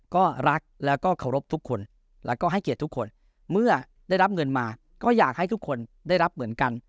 ก็รักแล้วก็เคารพทุกคนแล้วก็ให้เกียรติทุกคนเมื่อได้รับเงินมาก็อยากให้ทุกคนได้รับเหมือนกัน